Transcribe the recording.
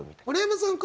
村山さん